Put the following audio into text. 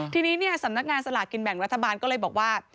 ทีนี้สำนักงานสลากินแบ่งรัฐบาลก็เลยบอกว่า